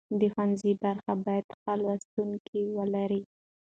د ښوونځي برخه باید ښه لوستونکي ولري.